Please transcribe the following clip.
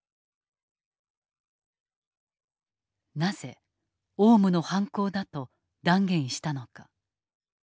なぜオウムの犯行だと断言したのか。